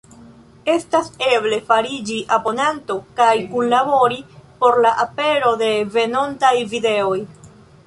Estas eble fariĝi abonanto kaj kunlabori por la apero de venontaj videoj.